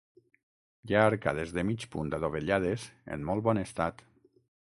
Hi ha arcades de mig punt adovellades en molt bon estat.